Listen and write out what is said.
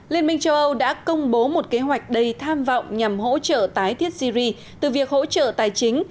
liên minh châu âu đã công bố một kế hoạch đầy tham vọng nhằm hỗ trợ tái thiết syri từ việc hỗ trợ tài chính